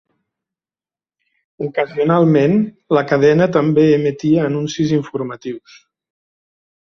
Ocasionalment, la cadena també emetia anuncis informatius.